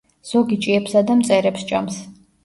ზოგი ჭიებსა და მწერებს ჭამს.